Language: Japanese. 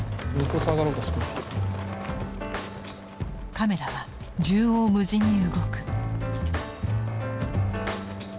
カメラは縦横無尽に動く。